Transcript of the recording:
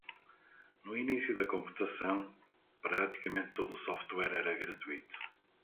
No início da computação, praticamente todo o software era gratuito.